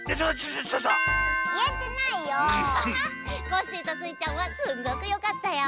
コッシーとスイちゃんはすっごくよかったよ！